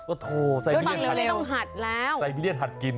โอ้โธไซบิเลียนหัดกิน